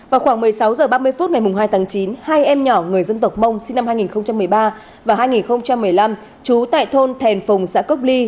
vào khoảng một mươi sáu h ba mươi phút ngày hai tháng chín hai em nhỏ người dân tộc mông sinh năm hai nghìn một mươi ba và hai nghìn một mươi năm trú tại thôn thèn phùng xã cốc ly